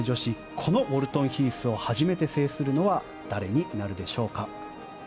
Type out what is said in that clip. このウォルトンヒースを初めて制するのは誰になるでしょうか。